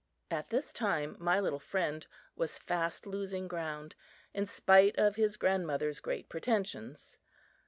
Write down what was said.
At this time my little friend was fast losing ground, in spite of his grandmother's great pretensions.